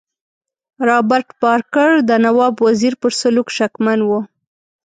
رابرټ بارکر د نواب وزیر پر سلوک شکمن وو.